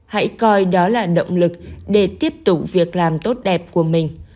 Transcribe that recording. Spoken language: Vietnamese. hãy coi đó là động lực để tiếp tục việc làm tốt đẹp của mình